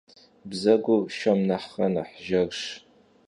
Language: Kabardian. Bzegur şşem nexhre nexh jjerş.